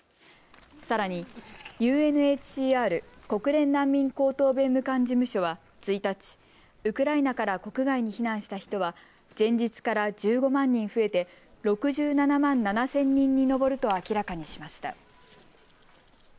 さらにＵＮＨＣＲ・国連難民高等弁務官事務所は１日、ウクライナから国外に避難した人は前日から１５万人増えて６７万７０００人に上ると明らかにしました。